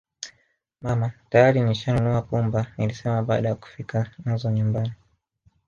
Mama tayari nishanunua pumba nilisema baada ya kufika nazo nyumbani